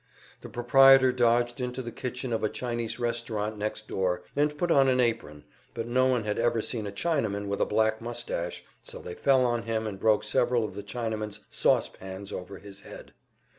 The proprietor dodged into the kitchen of a Chinese restaurant next door, and put on an apron; but no one had ever seen a Chinaman with a black mustache, so they fell on him and broke several of the Chinaman's sauce pans over his head.